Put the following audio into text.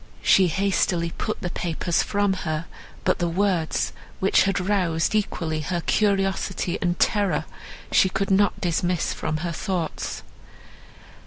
She hastily put the papers from her; but the words, which had roused equally her curiosity and terror, she could not dismiss from her thoughts.